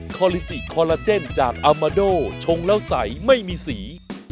คอลิจิคอลลาเจนจากอามาโดชงแล้วใสไม่มีสี